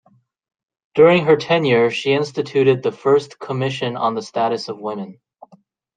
During her tenure, she instituted the first Commission on the Status of Women.